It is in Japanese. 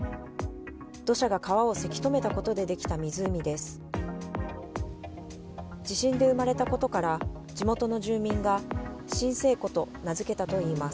土砂が川をせき止めたことで出来た湖です。